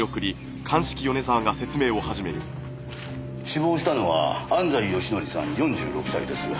死亡したのは安西由典さん４６歳です。